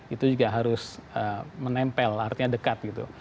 itu juga harus menempel artinya dekat gitu